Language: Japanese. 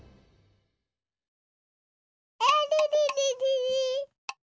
あれれれれれ。